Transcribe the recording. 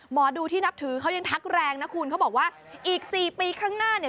หมอดูที่นับถือเขายังทักแรงนะคุณเขาบอกว่าอีก๔ปีข้างหน้าเนี่ย